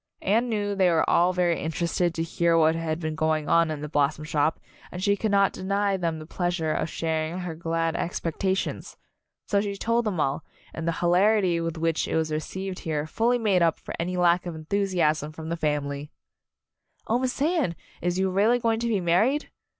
Anne knew they were all very interested to hear what had been going on in the Blossom Shop, and she could not deny them the pleasure of sharing her glad ex pectations. So she told them all, and the An Announcement Party 19 hilarity with which it was received here fully made up for any lack of enthusiasm from the family. "Oh, Miss Anne, is you really going to be married?"